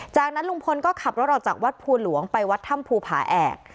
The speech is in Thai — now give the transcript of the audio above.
จากนั้นลุงพลก็ขับรถออกจากวัดภูหลวงไปวัดถ้ำภูผาแอก